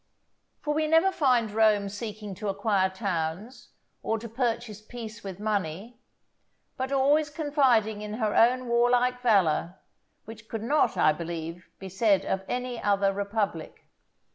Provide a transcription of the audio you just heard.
For we never find Rome seeking to acquire towns, or to purchase peace with money, but always confiding in her own warlike valour, which could not, I believe, be said of any other republic.